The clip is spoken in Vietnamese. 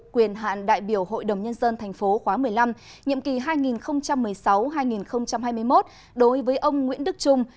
quyền hạn đại biểu hội đồng nhân dân tp khóa một mươi năm nhiệm kỳ hai nghìn một mươi sáu hai nghìn hai mươi một đối với ông nguyễn đức trung